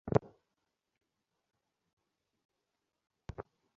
জানতে চাই তিনি কেমন মহিলা ছিলেন।